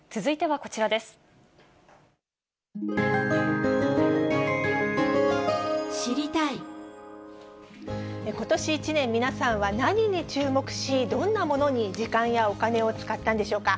ことし１年、皆さんは何に注目し、どんなものに時間やお金を使ったんでしょうか。